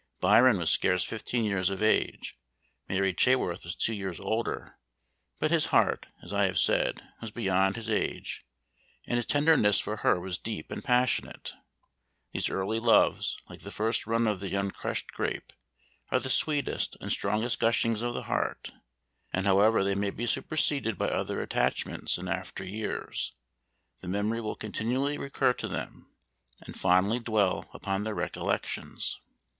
Byron was scarce fifteen years of age, Mary Chaworth was two years older; but his heart, as I have said, was beyond his age, and his tenderness for her was deep and passionate. These early loves, like the first run of the uncrushed grape, are the sweetest and strongest gushings of the heart, and however they may be superseded by other attachments in after years, the memory will continually recur to them, and fondly dwell upon their recollections.